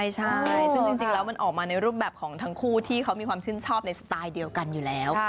ใช่แล้วมันออกมาในรูปใบบของทั้งคู่มีชื่นชอบในสไตล์เดียวกันอยู่แล้ว